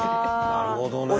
なるほどね。